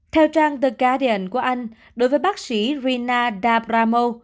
theo trang the guardian của anh đối với bác sĩ rina dabramo